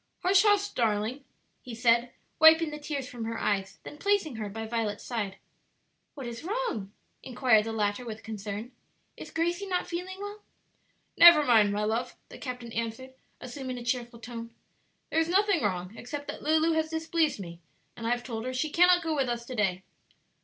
"Hush, hush, darling!" he said, wiping the tears from her eyes, then placing her by Violet's side. "What is wrong?" inquired the latter with concern; "is Gracie not feeling well?" "Never mind, my love," the captain answered, assuming a cheerful tone; "there is nothing wrong except that Lulu has displeased me, and I have told her she cannot go with us to day."